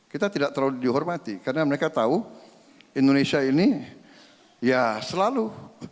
kita tidak terlalu dihormati karena mereka tahu indonesia ini ya selalu